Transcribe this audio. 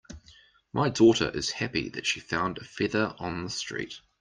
My daughter is happy that she found a feather on the street.